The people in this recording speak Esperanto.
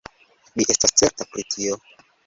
Mi estas certa pri tio.